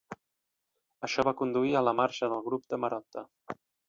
Això va conduir a la marxa del grup de Marotta.